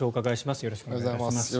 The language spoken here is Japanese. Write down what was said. よろしくお願いします。